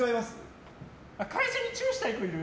会社にチューしたい子いる？